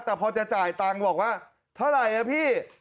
แต่พอจะจ่ายตังค์บอกว่าเท่าไหร่อ่ะพี่